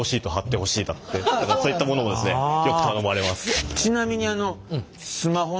そういったものもですねよく頼まれます。